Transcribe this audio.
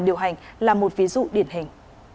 điều hành là một ví dụ điển hình